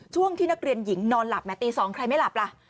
ช่วงที่นักเรียนหญิงนอนหลับตี๒ใครไม่หลับล่ะ